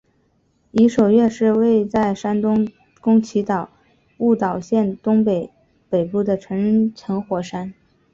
夷守岳是位在日本宫崎县雾岛山东北部的成层火山。